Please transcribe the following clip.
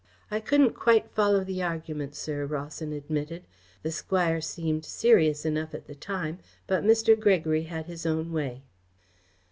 "I couldn't quite follow the argument, sir," Rawson admitted. "The Squire seemed serious enough at the time, but Mr. Gregory had his own way."